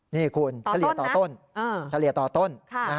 นี่คุณชะเลียต่อต้น